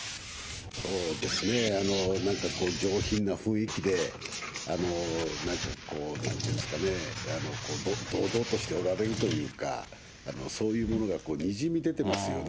そうですね、なんか上品な雰囲気で、なんかこう、なんていうんですかね、堂々としておられるというか、そういうものがにじみ出てますよね。